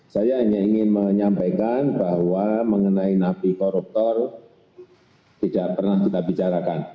saya hanya ingin menyampaikan bahwa mengenai nabi koruptor tidak pernah kita bicarakan